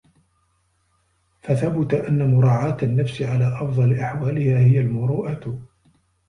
فَثَبُتَ أَنَّ مُرَاعَاةَ النَّفْسِ عَلَى أَفْضَلِ أَحْوَالِهَا هِيَ الْمُرُوءَةُ